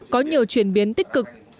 có nhiều chuyển biến tích cực